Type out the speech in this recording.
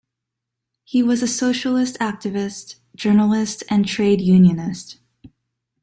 He was a socialist activist, journalist and trade unionist.